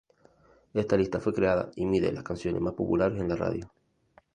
Esta lista fue creada y mide las canciones más populares en la radio.